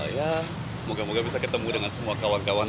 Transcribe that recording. ya moga moga bisa ketemu dengan semua kawan kawan